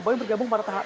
boy bergabung pada tahap